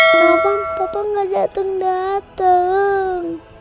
kenapa bapak enggak datang datang